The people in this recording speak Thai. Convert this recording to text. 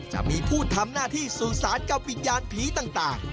จะมีผู้ทำหน้าที่สู่สารกับวิญญาณผีต่าง